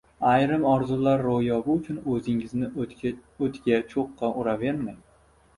Ayrim orzular ro‘yobi uchun o‘zingizni o‘tga-cho‘qqa uravermang;